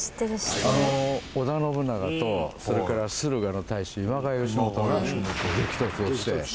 あの織田信長とそれから駿河の太守今川義元が激突をして。